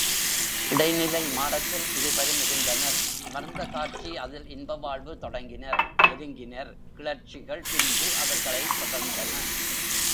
இடைநிலை மாடத்தில் இருவரும் இருந்தனர் அமர்ந்த காட்சி அதில் இன்பவாழ்வு தொடங்கினர் நெருங்கினர் கிளர்ச்சிகள் பின்பு அவர்களைத் தொடர்ந்தன.